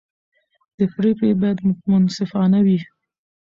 پرېکړې باید منصفانه وي